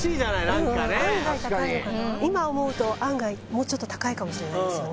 今思うと案外もうちょっと高いかもしれないですよね